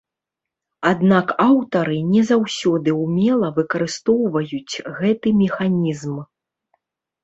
Аднак аўтары не заўсёды ўмела выкарыстоўваюць гэты механізм.